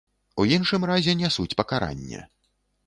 У іншым разе, нясуць пакаранне.